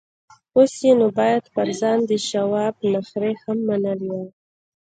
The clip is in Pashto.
اوس يې نو بايد پر ځان د شواب نخرې هم منلې وای.